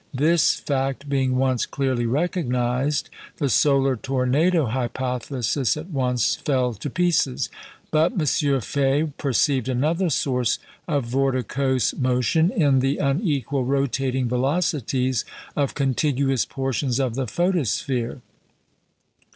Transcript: This fact being once clearly recognised, the "solar tornado" hypothesis at once fell to pieces; but M. Faye perceived another source of vorticose motion in the unequal rotating velocities of contiguous portions of the photosphere.